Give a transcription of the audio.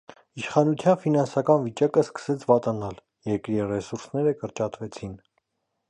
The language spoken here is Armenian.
Իշխանության ֆինանսական վիճակը սկսեց վատանալ, երկրի ռեսուրսները կրճատվեցին։